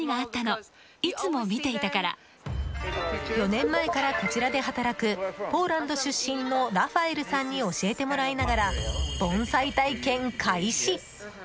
４年前から、こちらで働くポーランド出身のラファエルさんに教えてもらいながら盆栽体験開始。